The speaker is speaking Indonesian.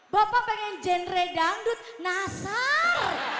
bapak pengen genre dangdut nasar